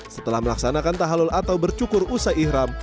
setelah melaksanakan tahalul atau bercukur usai ihram